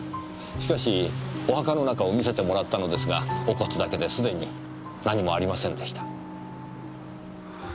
しかしお墓の中を見せてもらったのですがお骨だけですでに何もありませんでした。